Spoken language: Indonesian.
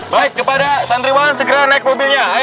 baik kepada santriwan segera naik mobilnya